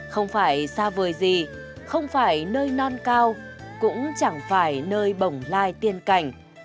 không phải xa vời gì không phải nơi non cao cũng chẳng phải nơi bổng lai tiên cảnh